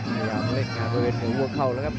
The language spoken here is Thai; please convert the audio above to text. พยายามเล่นงานแบบสนุนเฟลต์หัวเข้าแล้วครับ